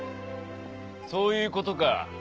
そういうことか。